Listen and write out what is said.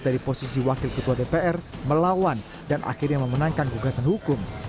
dari posisi wakil ketua dpr melawan dan akhirnya memenangkan gugatan hukum